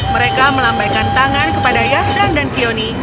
mereka melambaikan tangan kepada yasdan dan kioni